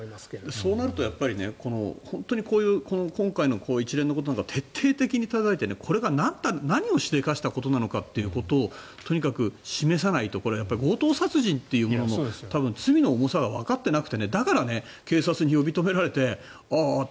そうなると本当に今回の一連のことを徹底的にたたいてこれが何をしでかしたことなのかということをとにかく示さないと強盗殺人というのに罪の重さというのがわかっていなくてだから警察に呼び止められてああって。